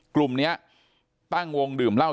กลุ่มนี้ตั้งวงดื่มเหล้า